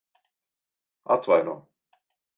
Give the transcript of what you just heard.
Atvaino.